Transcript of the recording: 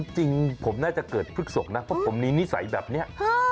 จริงผมน่าจะเกิดพฤกษกนะเพราะผมมีนิสัยแบบนี้